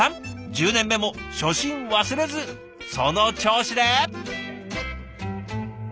１０年目も初心忘れずその調子で！